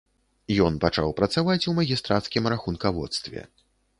Ён пачаў працаваць у магістрацкім рахункаводстве.